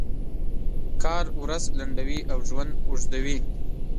کار ورځ لنډوي او ژوند اوږدوي.